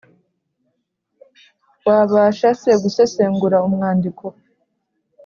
wabasha se Gusesengura umwandiko